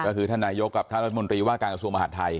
ก็คือท่านนายกกับท่านรัฐมนตรีว่าการกระทรวงมหาดไทย